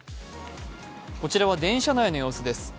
こちらは電車内の様子です。